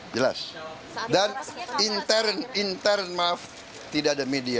jelas dan intern intern maaf tidak ada media